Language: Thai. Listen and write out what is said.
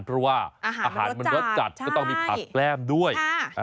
เพราะว่าอาหารมันรสจัดก็ต้องมีผักแก้มด้วย